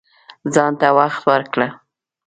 ځان ته وخت ورکړه